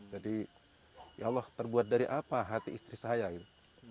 jadi ya allah terbuat dari apa hati istri saya itu